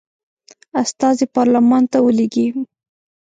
استازي پارلمان ته ولیږي.